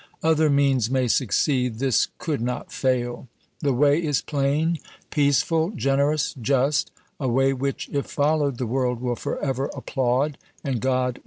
Other means may succeed, this could not fail. The way is plain, peaceful, generous. Just — a way which, if fol lowed, the world will forever applaud, and God must for ever bless.